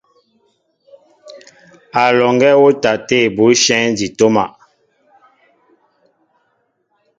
A lɔŋgɛ wɔtaté bushɛŋ di toma.